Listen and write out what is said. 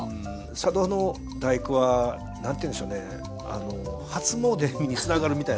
佐渡の「第九」は何ていうんでしょうね初詣につながるみたいなね。